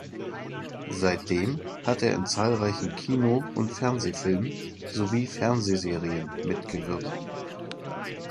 Seitdem hat er in zahlreichen Kino- und Fernsehfilmen sowie Fernsehserien mitgewirkt.